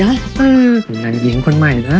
อืมนั่นเยี่ยมคนใหม่นะ